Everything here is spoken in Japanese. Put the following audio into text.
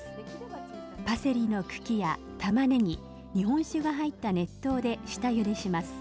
パセリの茎やたまねぎ日本酒が入った熱湯で下ゆでします。